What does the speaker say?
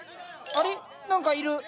あれっ？何かいる。